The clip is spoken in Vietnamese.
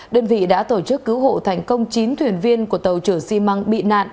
đơn vị đã tổ chức cứu hộ thành công chín thuyền viên của tàu trưởng xi măng bị nạn